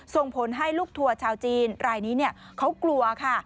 ส่งผลให้ลูกทัวร์ชาวจีนรายนี้เขากลัวค่ะ